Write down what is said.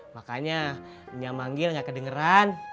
makanya nyang manggil nggak kedengeran